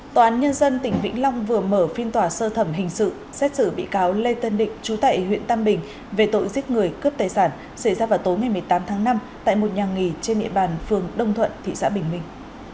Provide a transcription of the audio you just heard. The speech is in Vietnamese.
tòa án nhân dân tỉnh vĩnh long vừa mở phiên tòa sơ thẩm hình sự xét xử bị cáo lê tân định chú tại huyện tam bình về tội giết người cướp tài sản xảy ra vào tối ngày một mươi tám tháng năm tại một nhà nghỉ trên địa bàn phường đông thuận thị xã bình minh